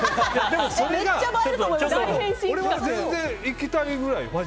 でも、俺は全然いきたいぐらい。